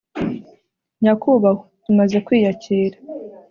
nyakubahwa! tumaze kwiyakira